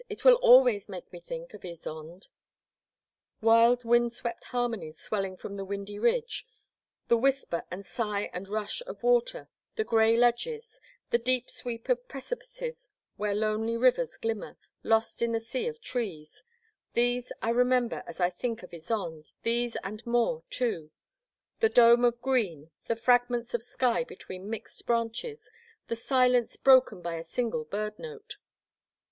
it will always make me think of Ysonde. Wild wind swept harmonies swelling from the windy ridge, the whisper and sigh and rush of water, the grey ledges, the deep sweep of precipices where lonely rivers glimmer, lost in the sea of trees, — ^these I remember as I think of Ysonde, these and more too, — the dome of green, the fragments of sky between mixed branches, the silence, broken by a single birdnote.